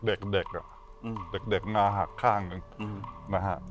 เด็กงาหักข้างนึงนะฮะ